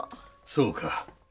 そうか。